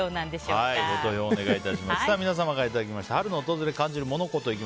皆様からいただきました春の訪れを感じるモノ・コト。